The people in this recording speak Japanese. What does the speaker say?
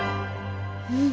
うん。